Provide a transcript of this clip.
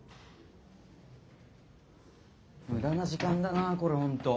無駄な時間だなぁこれほんと。